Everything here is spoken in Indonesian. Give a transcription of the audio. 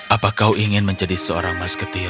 apa kau ingin menjadi seorang masketir